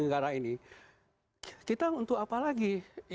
kita untuk apa lagi